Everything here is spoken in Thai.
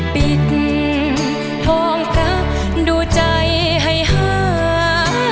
ปิดห้องรักดูใจหายหาย